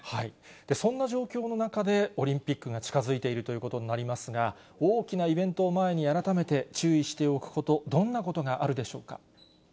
そんな状況の中で、オリンピックが近づいているということになりますが、大きなイベントを前に改めて注意しておくこと、どんなことがあるでしょうか。